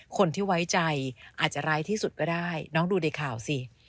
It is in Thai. คนที่ไว้ใจอาจจะร้ายที่สุดก็ได้น้องดูในข่าวสิ